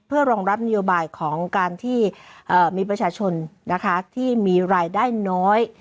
เพื่อรองรับนโยบายของการที่มีประชาชนนะคะที่มีรายได้น้อย